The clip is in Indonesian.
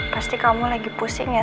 pasti kamu lagi pusing ya